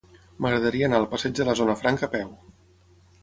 M'agradaria anar al passeig de la Zona Franca a peu.